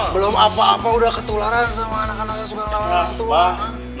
belum apa apa sudah ketularan sama anak anak yang suka melawan orang tua neng